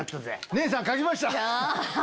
姉さん描きました！